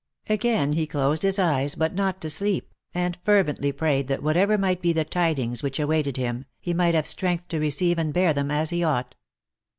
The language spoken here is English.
Again he closed his eyes, but not to sleep, and fervently prayed that whatever might be the tidings which awaited him, he might have strength to receive and bear them as he ought.